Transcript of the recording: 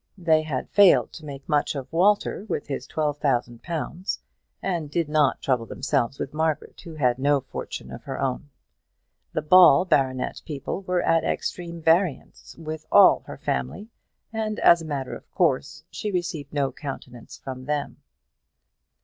They had failed to make much of Walter with his twelve thousand pounds, and did not trouble themselves with Margaret, who had no fortune of her own. The Ball baronet people were at extreme variance with all her family, and, as a matter of course, she received no countenance from them.